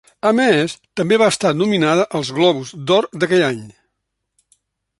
A més, també va estar nominada als Globus d'Or d'aquell any.